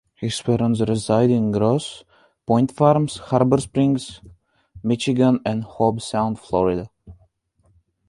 His parents reside in Grosse Pointe Farms, Harbor Springs, Michigan, and Hobe Sound, Florida.